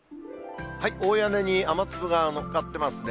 大屋根に雨粒がのっかってますね。